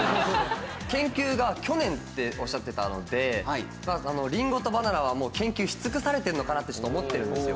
研究が去年っておっしゃってたのでりんごとバナナはもう研究し尽くされてるのかなってちょっと思ってるんですよ。